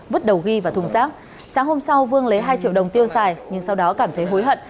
vứt đầu ghi vào thùng rác sáng hôm sau vương lấy hai triệu đồng tiêu xài nhưng sau đó cảm thấy hối hận